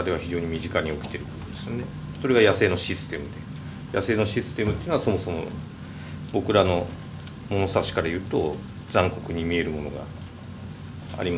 それが野生のシステムで野生のシステムっていうのはそもそも僕らのモノサシからいうと残酷に見えるものがありますんで。